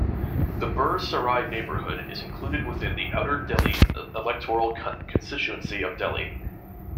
The Ber Sarai neighbourhood is included within the "Outer Delhi" electoral constituency of Delhi.